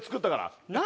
何？